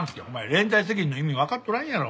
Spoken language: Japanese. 連帯責任の意味わかっとらんやろ。